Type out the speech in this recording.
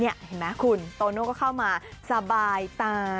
เห็นไหมคุณโตโน่ก็เข้ามาสบายตา